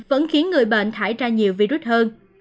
vẫn khiến người bệnh thải ra nhiều virus hơn